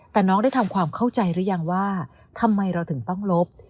แต่น้องได้ทำความเข้าใจหรือยังว่าทำไมเราถึงต้องลบ